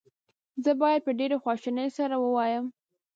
زه باید په ډېرې خواشینۍ سره ووایم.